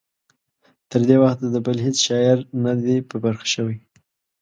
تر دې وخته د بل هیڅ شاعر نه دی په برخه شوی.